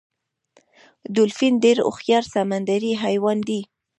ډولفین ډیر هوښیار سمندری حیوان دی